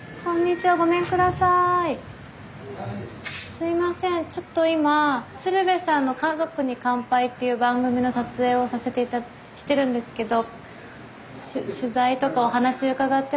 すいませんちょっと今鶴瓶さんの「家族に乾杯」っていう番組の撮影をしてるんですけどはい。